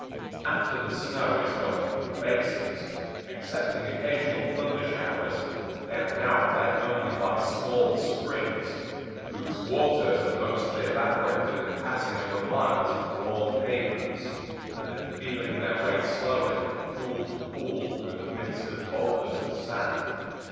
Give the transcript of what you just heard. After the snow is gone from the basins, excepting occasional thundershowers, they are now fed only by small springs whose waters are mostly evaporated in passing over miles of warm pavements, and in feeling their way slowly from pool to pool through the midst of boulders and sand.